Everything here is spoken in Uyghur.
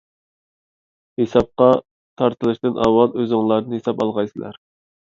ھېسابقا تارتىلىشتىن ئاۋۋال ئۆزۈڭلاردىن ھېساب ئالغايسىلەر.